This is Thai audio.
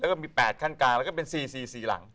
แล้วก็มี๘ขั้นกลางแล้วก็เป็น๔๔หลัง